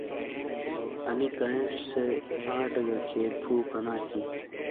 آئیں کانئیش آٹے گہ کھیئے فُو فنا تھِیں۔